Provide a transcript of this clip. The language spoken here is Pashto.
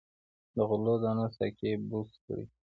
د غلو دانو ساقې بوس کیږي.